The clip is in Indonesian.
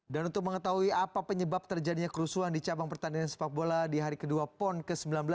dan untuk mengetahui apa penyebab terjadinya kerusuhan di cabang pertandingan sepak bola di hari kedua pon ke sembilan belas